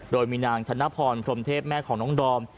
โดยมีนางธนพรพรมเทพแม่ของน้องดอม